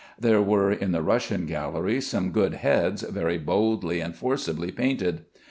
There were in the Russian gallery some good heads very boldly and forcibly painted.